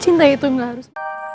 cinta itu gak harus